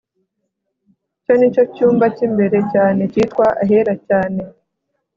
icyo ni cyo cyumba cy imbere cyane cyitwa ahera cyane